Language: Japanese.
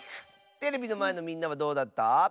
テレビのまえのみんなはどうだった？